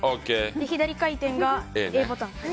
左回転がＡボタン。